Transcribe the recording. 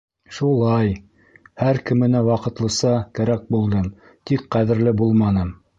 Шула-ай, һәр кеменә ваҡытлыса кәрәк булдым, тик ҡәҙерле булманым.